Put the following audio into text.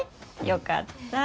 よかった。